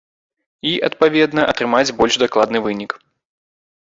І, адпаведна, атрымаць больш дакладны вынік.